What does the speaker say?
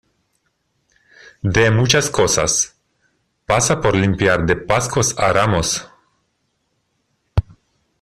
de muchas cosas. pasa por limpiar de Pascuas a Ramos .